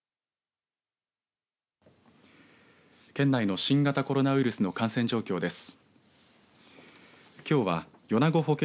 県内の新型コロナウイルスの感染状況です。